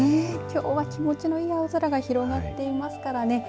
きょうは気持ちのよい青空が広がっていますからね。